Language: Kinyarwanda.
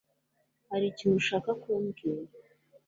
Hari ikintu ushaka kumbwira